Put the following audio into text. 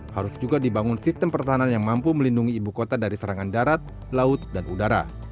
harus juga dibangun sistem pertahanan yang mampu melindungi ibu kota dari serangan darat laut dan udara